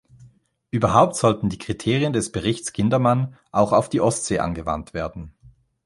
Überhaupt sollten die Kriterien des Berichts Kindermann auch auf die Ostsee angewandt werden.